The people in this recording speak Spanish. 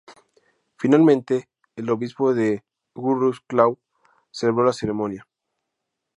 Finalmente el Obispo de Wrocław celebró la ceremonia.